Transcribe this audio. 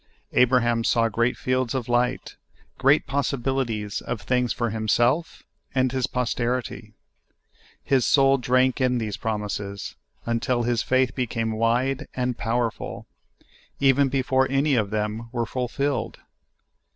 Abraham saw great fields of light — great possibilities of things for himself and his posterity. His soul drank in these promises, until his faith became wide and powerful, even before any of them were fulfilled.